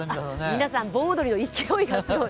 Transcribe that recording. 皆さん盆踊りの勢いがすごい。